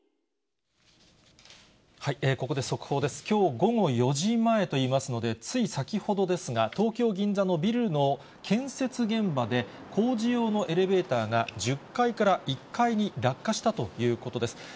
きょう午後４時前といいますので、つい先ほどですが、東京・銀座のビルの建設現場で、工事用のエレベーターが、１０階から１階に落下したということです。